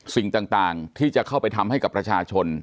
สิ่งต่างที่จะเข้าไปทำให้กับประชาชน